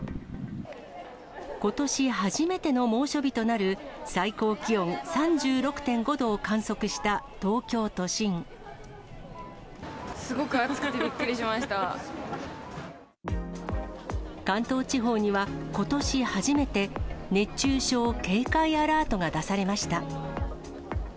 ことし初めての猛暑日となる、最高気温３６．５度を観測した東すごく暑くてびっくりしまし関東地方には、ことし初めて、熱中症警戒アラートが出されました。